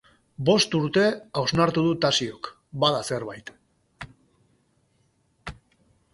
Bost urte, hausnartu du Tasiok, bada zerbait.